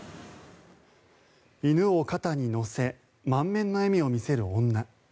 犬を肩に乗せ満面の笑みを見せる女。